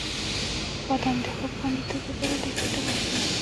• بادام د خوب خوندیتوب لپاره ډېر ګټور دی.